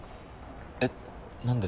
えっ何で？